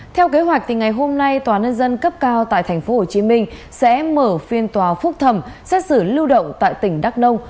theo kế hoạch thì ngày hôm nay tnd cấp cao tại tp hcm sẽ mở phiên tòa phúc thẩm xét xử lưu động tại tỉnh đắk đông